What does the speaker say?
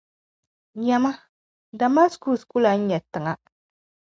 Nyama, Damaskus ku lan nyɛla tiŋa.